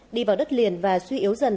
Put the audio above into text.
đi vào đất liền và suy yếu dần